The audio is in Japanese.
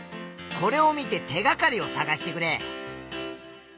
これを見て手がかりをさがしてくれ。